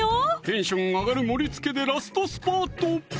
テンション上がる盛り付けでラストスパート！